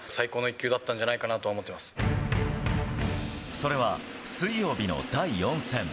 それは水曜日の第４戦。